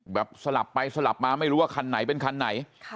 สลับไปสลับมาไม่รู้ว่าคันไหนเป็นคันไหน